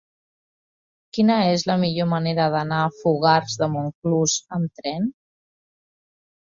Quina és la millor manera d'anar a Fogars de Montclús amb tren?